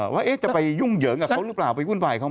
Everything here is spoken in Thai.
ว่าจะไปยุ่งเหยิงกับเขาหรือเปล่าไปวุ่นวายเขา